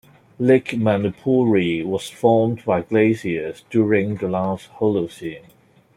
Lake Manapouri was formed by glaciers during the last Holocene.